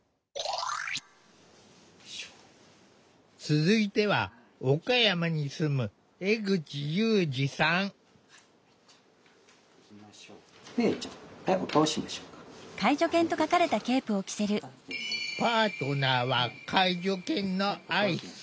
続いては岡山に住むパートナーは介助犬のアイス。